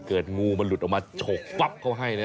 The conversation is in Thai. งูมันหลุดออกมาฉกปั๊บเขาให้นะ